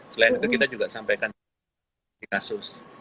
selain itu kita juga sampaikan di kasus